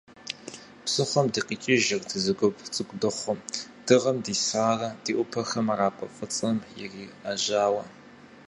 Псыхъуэм дыкъикӏыжырт, зы гуп цӏыкӏу дыхъуу, дыгъэм дисарэ, ди ӏупэхэр мэракӏуэ фӏыцӏэм ириӏэжауэ.